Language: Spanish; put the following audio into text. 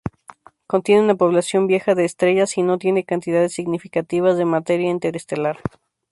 Contiene una población vieja de estrellas y no tiene cantidades significativas de materia interestelar.